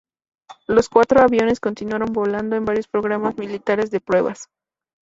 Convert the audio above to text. Los cuatro aviones continuaron volando en varios programas militares de pruebas.